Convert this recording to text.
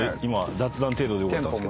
雑談程度でよかったんですけど。